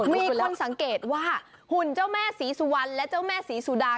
มีคนสังเกตว่าหุ่นเจ้าแม่ศรีสุวรรณและเจ้าแม่ศรีสุดา